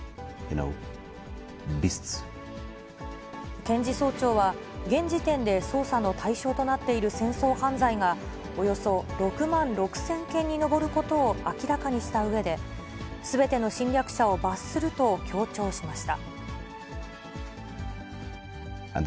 検事総長は、現時点で捜査の対象となっている戦争犯罪が、およそ６万６０００件に上ることを明らかにしたうえで、すべての侵略者を罰すると強調しました。